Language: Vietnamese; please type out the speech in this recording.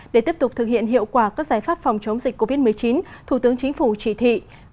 để tiếp tục thực hiện hiệu quả các giải pháp phòng chống dịch covid một mươi chín thủ tướng chính phủ chỉ thị